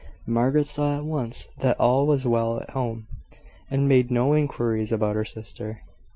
Margaret saw at once that all was well at home, and made no inquiries about her sister.